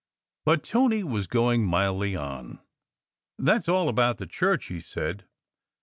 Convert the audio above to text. But Tony was going mildly on. "That s all, about the church," he said.